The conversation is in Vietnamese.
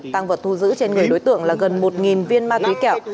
tăng vật thu giữ trên người đối tượng là gần một viên ma túy kẹo